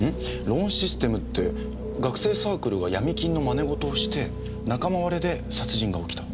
ローンシステムって学生サークルが闇金の真似事をして仲間割れで殺人が起きた。